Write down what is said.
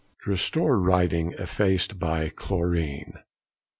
_To restore writing effaced by chlorine.